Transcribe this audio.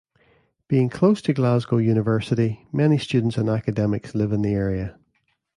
Being close to Glasgow University many students and academics live in the area.